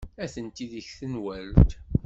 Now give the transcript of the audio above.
Atenti deg tenwalt.